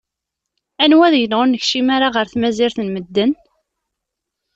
Anwa deg-neɣ ur nekcim ara ɣer tmazirt n medden?